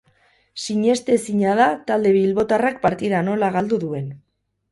Sinestezina da talde bilbotarrak partida nola galdu duen.